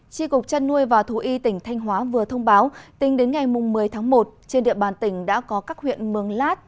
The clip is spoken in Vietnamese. tri cục chăn nuôi và thú y tỉnh thanh hóa vừa thông báo tính đến ngày một mươi tháng một trên địa bàn tỉnh đã có các huyện mường lát